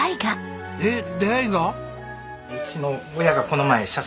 えっ出会いが？